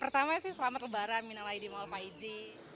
pertama sih selamat lebaran minalai di malu faiji